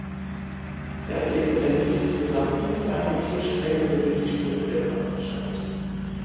Der Athlet mit der niedrigsten Gesamtpunktzahl nach vier Strecken gewinnt die Sprintweltmeisterschaft.